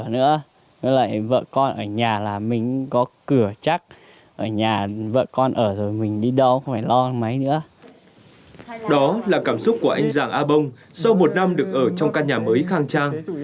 đó là cảm xúc của anh giảng a bông sau một năm được ở trong căn nhà mới khang trang